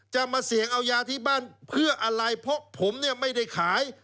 มาเสี่ยงเอายาที่บ้านเพื่ออะไรเพราะผมเนี่ยไม่ได้ขาย